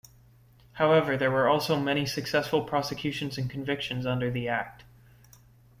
However, there were also many successful prosecutions and convictions under the Act.